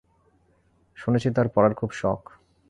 শুনেছি তার পড়ার খুব শখ।